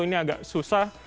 ini agak susah